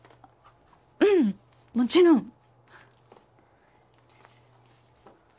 うんもちろん。